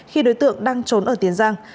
khi đối tượng đang trốn ở tiến giang